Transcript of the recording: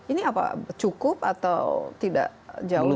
ini apa cukup atau tidak jauh